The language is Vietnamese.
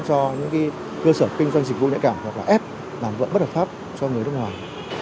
cho những cơ sở kinh doanh dịch vụ nhạy cảm hoặc là ép làm vợn bất hợp pháp cho người nước ngoài